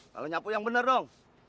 kalo nyapu yang bener dong